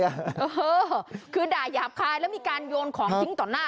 เออคือด่ายาบคายแล้วมีการโยนของทิ้งต่อหน้า